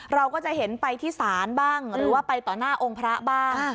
เราก็จะเห็นไปที่ศาลบ้างหรือว่าไปต่อหน้าองค์พระบ้าง